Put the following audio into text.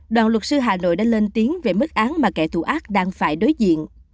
đoàn luật sư hà nội đã lên tiếng về mức án mà kẻ thù ác đang phải đối diện